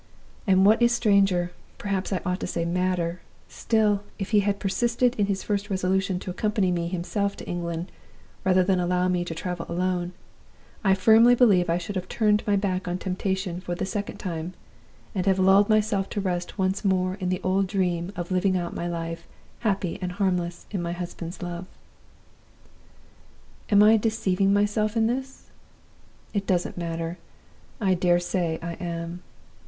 And what is stranger perhaps I ought to say madder still, if he had persisted in his first resolution to accompany me himself to England rather than allow me to travel alone, I firmly believe I should have turned my back on temptation for the second time, and have lulled myself to rest once more in the old dream of living out my life happy and harmless in my husband's love. "Am I deceiving myself in this? It doesn't matter I dare say I am.